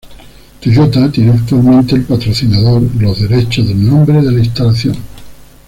Toyota tiene actualmente el patrocinador los derechos del nombre de la instalación.